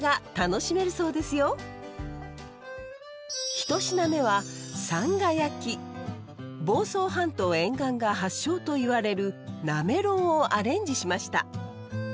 一品目は房総半島沿岸が発祥と言われるなめろうをアレンジしました。